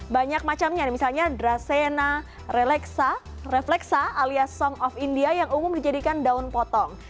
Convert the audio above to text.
banyak macamnya misalnya dracaena reflexa alias song of india yang umum dijadikan daun potong